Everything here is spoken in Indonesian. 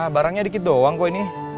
barangnya dikit dong kok ini